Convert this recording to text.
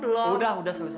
udah udah udah selesai